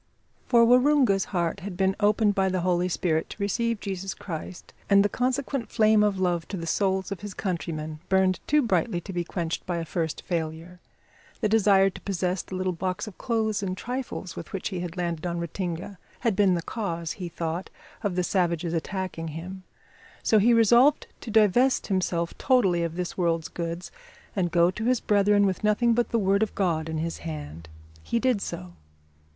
For Waroonga's heart had been opened by the Holy Spirit to receive Jesus Christ, and the consequent flame of love to the souls of his countrymen burned too brightly to be quenched by a first failure. The desire to possess the little box of clothes and trifles with which he had landed on Ratinga had been the cause, he thought, of the savages attacking him; so he resolved to divest himself totally of this world's goods and go to his brethren with nothing but the Word of God in his hand. He did so.